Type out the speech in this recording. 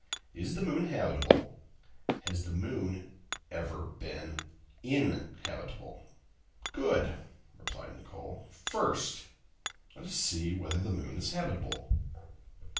Is the moon habitable? Has the moon ever been inhabitable?" "Good!" replied Nicholl. "First let us see whether the moon is habitable."